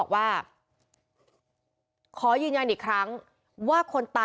พวกมันต้องกินกันพี่